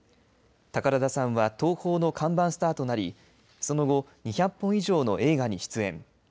宝田さんは東宝の看板スターとなりその後、２００本以上の映画に出演。